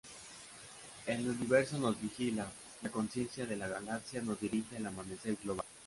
El universo nos vigila, la conciencia de la galaxia nos dirige al amanecer global".